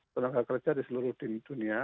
tenaga kerja di seluruh dunia